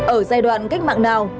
ở giai đoạn cách mạng nào